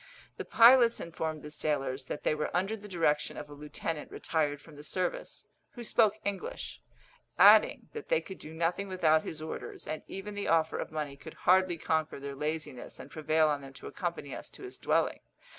The pilots informed the sailors that they were under the direction of a lieutenant retired from the service, who spoke English; adding that they could do nothing without his orders, and even the offer of money could hardly conquer their laziness and prevail on them to accompany us to his dwelling.